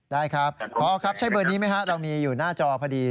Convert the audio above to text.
ได้ครับใช่เบอร์นี้ไหมครับเรามีอยู่หน้าจอพอดี๐๕๖๗๓๑๓๕๖๗